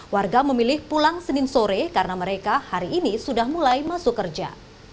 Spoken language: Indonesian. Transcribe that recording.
warga memilih pulang senin sore karena mereka hari ini sudah mulai masuk kerja